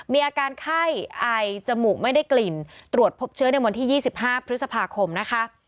มีอาการไข้ไอจมูกไม่ได้กลิ่นตรวจพบเชื้อในวันที่๒๕พฤษภาคมนะคะ